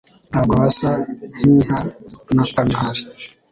Ntabwo basa nkinka na kanari.